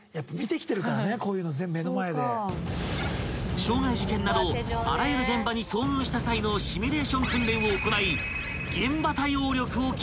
［傷害事件などあらゆる現場に遭遇した際のシミュレーション訓練を行い］